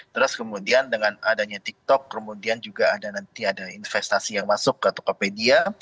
terus kemudian dengan adanya tiktok kemudian juga ada nanti ada investasi yang masuk ke tokopedia